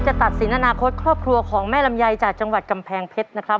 ตัดสินอนาคตครอบครัวของแม่ลำไยจากจังหวัดกำแพงเพชรนะครับ